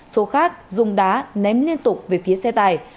số khác dùng đá ném liên tục về phía xe tài